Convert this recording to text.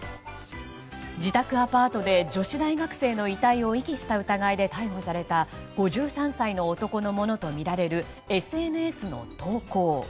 自宅アパートで女子大学生の遺体を遺棄した疑いで逮捕された５３歳の男のものとみられるＳＮＳの投稿。